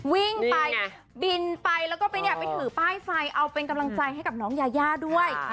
วิ่งไปบินไปแล้วก็ไปเนี่ยไปถือป้ายไฟเอาเป็นกำลังใจให้กับน้องยายาด้วย